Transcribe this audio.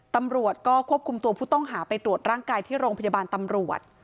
ตำรวจก็ควบคุมตัวผู้ต้องหาไปตรวจร่างกายที่โรงพยาบาลตำรวจ